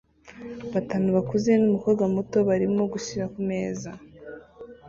Batanu bakuze numukobwa muto barimo gushira kumeza